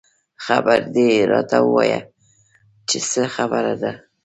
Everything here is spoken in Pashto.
خېر دۍ راته وويه چې څه خبره ده